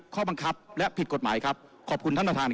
ขออนุญาตครับคุณพิธา